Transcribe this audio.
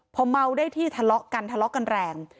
พอเมาได้ที่ทะเลาะกันทะเลาะกันแรง